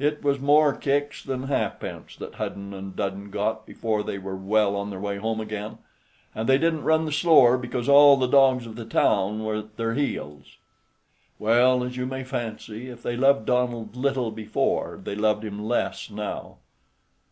It was more kicks than halfpence that Hudden and Dudden got before they were well on their way home again, and they didn't run the slower because all the dogs of the town were at their heels. Well, as you may fancy, if they loved Donald little before, they loved him less now.